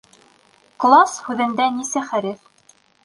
«Класс» һүҙендә кисә хәреф?